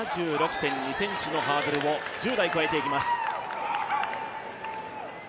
７６．２ｃｍのハードルを１０台越えていきます。